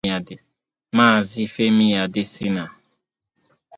Maazị Femi Adesina